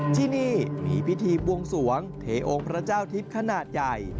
ที่นี่มีพิธีบวงสวงเทองค์พระเจ้าทิพย์ขนาดใหญ่